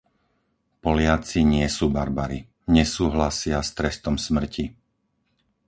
Poliaci nie sú barbari, nesúhlasia s trestom smrti.